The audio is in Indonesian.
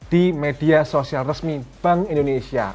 di media sosial resmi bank indonesia